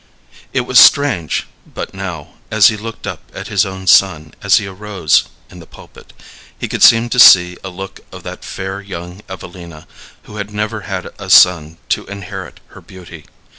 It was strange, but now, as he looked up at his own son as he arose in the pulpit, he could seem to see a look of that fair young Evelina, who had never had a son to inherit her beauty.